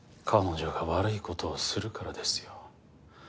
「彼女が悪い事をするからですよ」